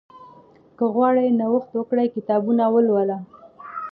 که غواړې نوښت وکړې، کتابونه ولوله.